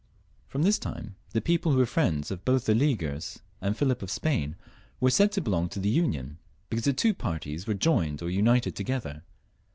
From this time, the people who were friends both of the Leaguers and of Philip of Spain were said to belong to the Union, because the two parties were joined or united together.